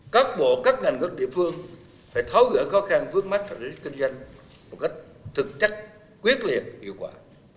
các bộ các ngành địa phương phải tháo gỡ khó khăn phước mắt cho kinh doanh một cách thực chất quyết liệt hiệu quả